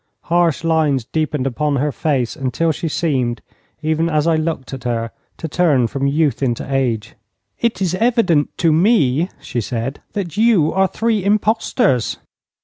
Harsh lines deepened upon her face until she seemed, even as I looked at her, to turn from youth into age. 'It is evident to me,' she said, 'that you are three impostors.'